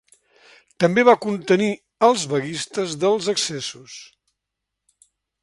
També va contenir als vaguistes dels excessos.